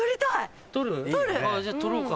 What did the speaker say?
じゃあ撮ろうか。